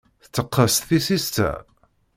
Tetteqqes tissist-a?